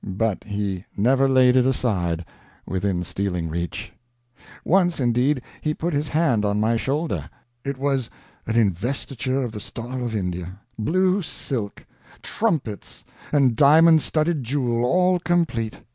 But he never laid it aside within stealing reach. Once, indeed, he put his hand on my shoulder. It was an investiture of the Star of India, blue silk, trumpets, and diamond studded jewel, all complete.